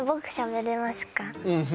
うん。